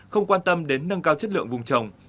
không quan tâm đến nâng cao chất lượng vùng trồng